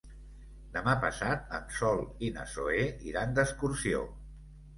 Demà passat en Sol i na Zoè iran d'excursió.